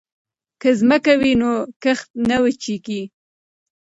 که ځمکه وي نو کښت نه وچيږي.